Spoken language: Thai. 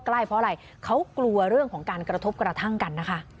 ใกล้เพราะอะไรเขากลัวเรื่องของการกระทบกระทั่งกันนะคะ